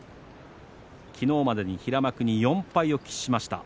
昨日までに平幕に４敗を喫しました。